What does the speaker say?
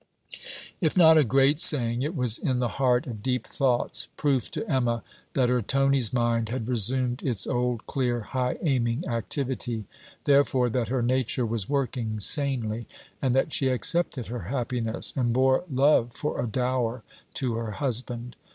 If not a great saying, it was in the heart of deep thoughts: proof to Emma that her Tony's mind had resumed its old clear high aiming activity; therefore that her nature was working sanely, and that she accepted her happiness, and bore love for a dower to her husband.